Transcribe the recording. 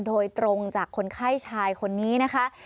โดยตรงจากคนไข้ชายคนนี้นะคะ